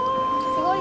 すごい！